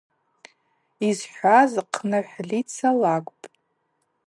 Йызхӏваз Хъныхӏв Лица лакӏвпӏ.